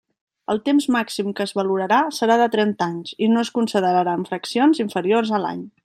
El temps màxim que es valorarà serà de trenta anys i no es consideraran fraccions inferiors a l'any.